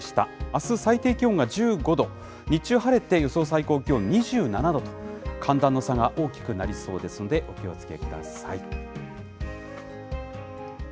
あす最低気温が１５度、日中晴れて、予想最高気温２７度と、寒暖の差が大きくなりそうですので、お気をつけください。